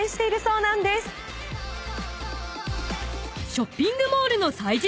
［ショッピングモールの催事